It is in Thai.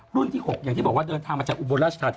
รุ่นที่๖อย่างที่บอกว่าเดินทางมาจากอุโบราชคาทิม